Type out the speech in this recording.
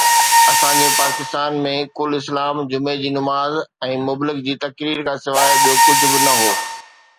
اسان جي پاڪستان ۾ ڪل اسلام جمعي جي نماز ۽ مبلغ جي تقرير کان سواءِ ٻيو ڪجهه به نه هو